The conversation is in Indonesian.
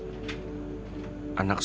dia juga suka curhat